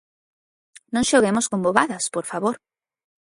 Non xoguemos con bobadas, por favor.